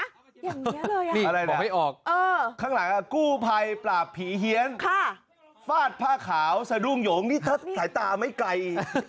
อย่างเนี้ยเลยอะอะไรนะข้างหลังก็กู้ไพปราบผีเฮียงฟาดผ้าขาวสรุงหยงนี่สายตาไม่ไกล